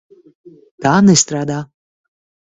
Tā nestrādā.